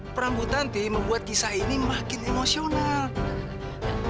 perambu tanti membuat kisah ini makin emosional